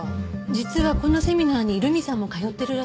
実はこのセミナーに留美さんも通ってるらしいの。